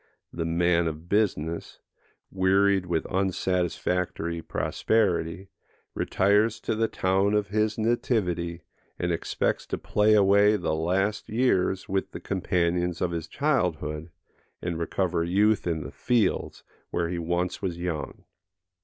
The man of business, wearied with unsatisfactory prosperity, retires to the town of his nativity, and expects to play away the last years with the companions of his childhood, and recover youth in the fields, where he once was young.